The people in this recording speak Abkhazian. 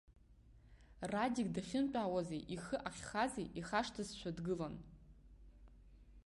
Радик дахьынтәаауази ихы ахьхази ихашҭызшәа дгылан.